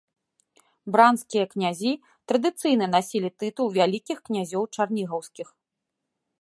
Бранскія князі традыцыйна насілі тытул вялікіх князёў чарнігаўскіх.